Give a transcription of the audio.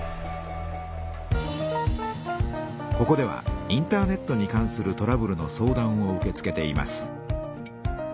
ここではインターネットに関するトラブルの相談を受け付けています。